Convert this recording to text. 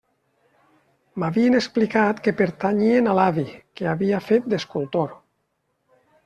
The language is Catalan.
M'havien explicat que pertanyien a l'avi, que havia fet d'escultor.